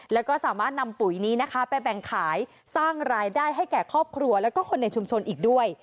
แล้วก็สามารถนำปุ๋ยนี้นะคะไปแบ่งขายสร้างรายได้ให้แก่ครอบครัวแล้วก็คนในชุมชนอีกด้วย